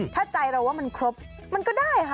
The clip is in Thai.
ถ้าใจเราว่ามันครบมันก็ได้ค่ะ